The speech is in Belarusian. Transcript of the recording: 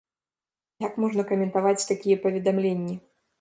Як можна каментаваць такія паведамленні?